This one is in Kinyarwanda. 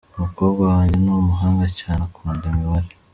Umukobwa wanjye ni umuhanga cyane, akunda imibare.